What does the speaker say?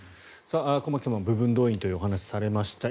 駒木さんも部分動員というお話をされました。